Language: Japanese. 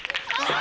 あ！